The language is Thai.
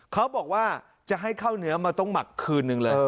เขาบอกว่าจะให้ข้าวเนื้อมันต้องหมักคืนนึงเลย